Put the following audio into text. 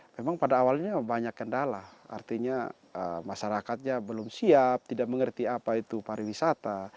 memang pada awalnya banyak kendala artinya masyarakatnya belum siap tidak mengerti apa itu pariwisata